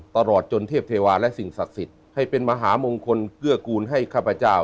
ตลอดจนเทพเทวาและสิ่งศักดิ์สิทธิ์ให้เป็นมหามงคลเกื้อกูลให้ข้าพเจ้า